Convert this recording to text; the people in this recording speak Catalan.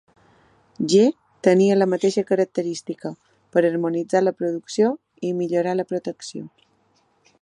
G tenia la mateixa característica, per harmonitzar la producció i millorar la protecció.